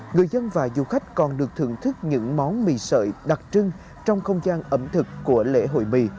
người dân và du khách còn được thưởng thức những món mì sợi đặc trưng trong không gian ẩm thực của lễ hội bì